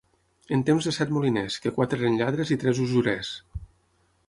En temps de set moliners, que quatre eren lladres i tres usurers.